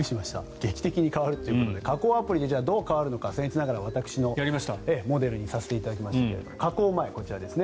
劇的に変わるということで加工アプリでどう変わるのかせん越ながら私をモデルにさせていただいて加工前、こちらですね。